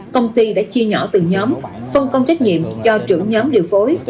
công ty đã chia nhỏ từng nhóm phân công trách nhiệm cho trưởng nhóm điều phối